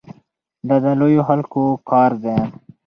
دا د لویو خلکو کار دی.